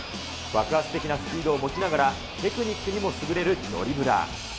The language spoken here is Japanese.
爆発的なスピードを持ちながら、テクニックにも優れるドリブラー。